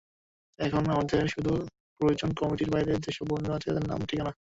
এখন আমাদের শুধু প্রয়োজন কমিটির বাইরের যেসব বন্ধু আছেন তাঁদের নাম-ঠিকানা।